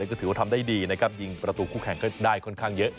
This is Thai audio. ก็ถือว่าทำได้ดีนะครับยิงประตูคู่แข่งก็ได้ค่อนข้างเยอะ